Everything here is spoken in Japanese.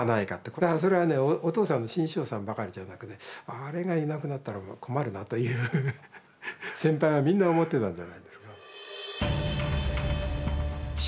これはそれはねお父さんの志ん生さんばかりじゃなくねという先輩はみんな思ってたんじゃないですか。